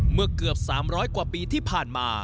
เมื่อเกือบ๓๐๐กว่าปีที่ผ่านมา